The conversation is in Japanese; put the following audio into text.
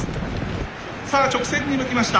さあ直線に向きました。